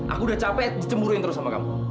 aku udah capek dicemburuin terus sama kamu